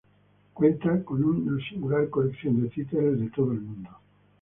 Cuenta con una singular colección de títeres de todo el mundo.